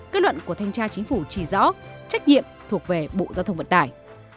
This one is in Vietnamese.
kết luận của thanh tra chính phủ chỉ rõ trách nhiệm thuộc về bộ giao thông vận tải